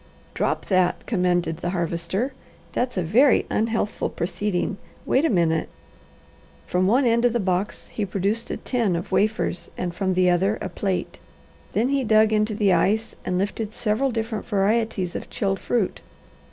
"Drop that!" commanded the Harvester. "That's a very unhealthful proceeding. Wait a minute." From one end of the box he produced a tin of wafers and from the other a plate. Then he dug into the ice and lifted several different varieties of chilled fruit.